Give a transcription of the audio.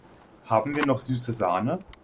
Haben wir noch süße Sahne?